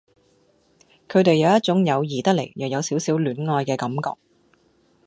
佢哋有一種友誼得嚟又有少少戀愛嘅感覺